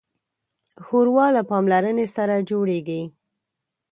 ښوروا له پاملرنې سره جوړیږي.